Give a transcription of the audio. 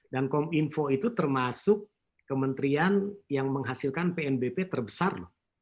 dan kominfo itu termasuk kementerian yang menghasilkan pnbp terbesar